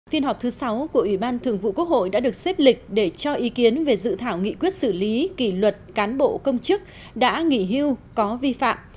phiên họp thứ sáu của ủy ban thường vụ quốc hội đã được xếp lịch để cho ý kiến về dự thảo nghị quyết xử lý kỷ luật cán bộ công chức đã nghỉ hưu có vi phạm